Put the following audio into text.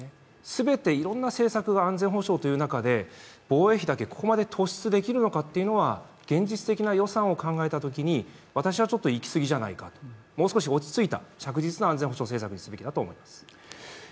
全ていろんな政策が安全保障という中で、防衛費だけここまで突出できるのかというのは現実的な予算を考えたときに私はちょっといきすぎじゃないか、もう少し落ち着いた着実な安全保障政策にすべきだと思います。